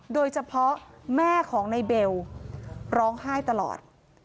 โดยเฉพาะแม่ของในเบลร้องไห้ตลอด